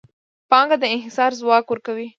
پانګه د انحصار ځواک ورکوي.